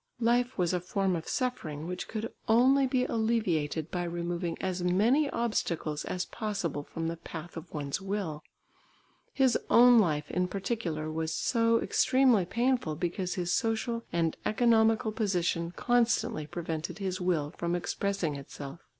Life was a form of suffering which could only be alleviated by removing as many obstacles as possible from the path of one's will; his own life in particular was so extremely painful because his social and economical position constantly prevented his will from expressing itself.